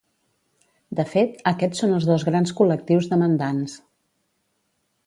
De fet, aquests són els dos grans col·lectius demandants.